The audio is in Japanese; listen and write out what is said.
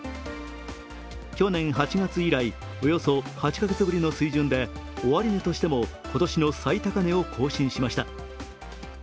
去年８月以来、およそ８か月ぶりの水準で終値としても今年の最高値を更新しました。